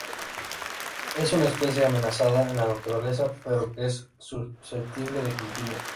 Es una especie amenazada en la naturaleza, pero que es susceptible de cultivo.